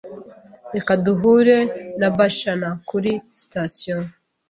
Reka duhure na Bashana kuri sitasiyo.